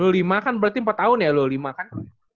lima kan berarti empat tahun ya loh lima kan